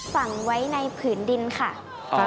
ฝังไว้ในผืนดินค่ะ